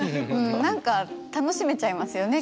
何か楽しめちゃえますよね。